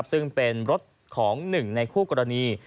ซึ่งเป็นรถของหนึ่งในคู่กรณี